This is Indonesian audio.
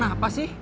kamu kenapa sih